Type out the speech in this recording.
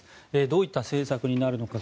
どういった政策になるのか